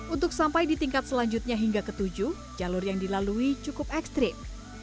untuk sampai di tingkat selanjutnya hingga ke tujuh jalur yang dilalui cukup ekstrim